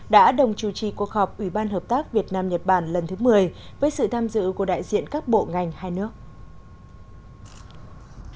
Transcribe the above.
đã đồng chủ trì cuộc họp ủy ban hợp tác việt nam nhật bản lần thứ một mươi với sự tham dự của đại diện các bộ ngành hai nước